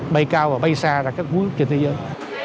bay cao và bay xa ra các quốc trình thế giới